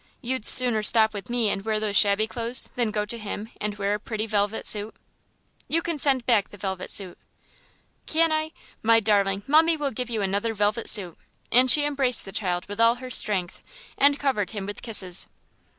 You'd sooner stop with me and wear those shabby clothes than go to him and wear a pretty velvet suit?" "You can send back the velvet suit." "Can I? My darling, mummie will give you another velvet suit," and she embraced the child with all her strength, and covered him with kisses.